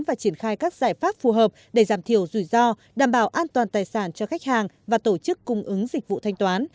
và triển khai các giải pháp phù hợp để giảm thiểu rủi ro đảm bảo an toàn tài sản cho khách hàng và tổ chức cung ứng dịch vụ thanh toán